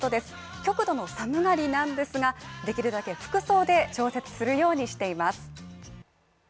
極度の寒がりなんですが、できるだけ服装で調節するようにしています。